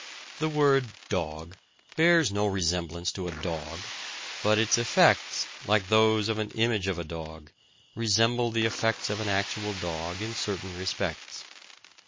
The word "dog" bears no resemblance to a dog, but its effects, like those of an image of a dog, resemble the effects of an actual dog in certain respects.